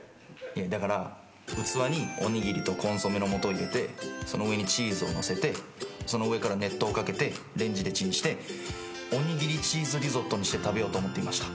だから器におにぎりとコンソメのもとを入れてその上にチーズを載せてその上から熱湯を掛けてレンジでチンしておにぎりチーズリゾットにして食べようと思っていました。